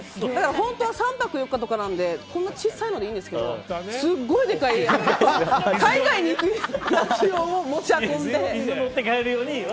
本当は３泊４日なのでこんな小さいのでいいんですけどすごいでかい海外に行くやつ用を持ち運んで。